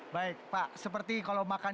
baik pak seperti kalau makan